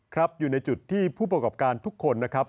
ครับอยู่ในจุดที่ผู้ประกอบการทุกคนนะครับ